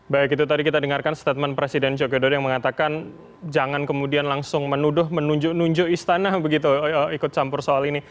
baik itu tadi kita dengarkan statement presiden joko widodo yang mengatakan jangan langsung menuduh eux menunjuk istana ikut campur soal ini